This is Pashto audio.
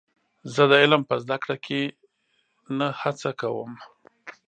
زه د علم په زده کړه کې نه هڅه کوم.